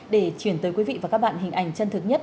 để chuyển tới quý vị và các bạn hình ảnh chân thực nhất